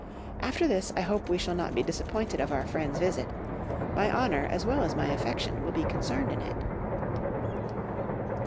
After this I hope we shall not be disappointed of our friend's visit; my honour as well as my affection will be concerned in it."